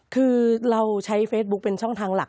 คือเราใช้เฟซบุ๊คเป็นช่องทางหลัก